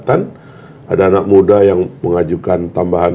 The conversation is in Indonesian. dan ada anak muda yang mengajukan tambahan